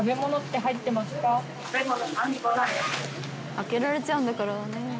開けられちゃうんだからね。